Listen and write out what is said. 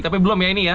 tapi belum ya ini ya